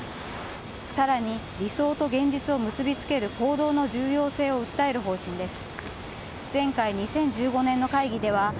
さらに理想と現実を結び付ける行動の重要性を訴える方針です。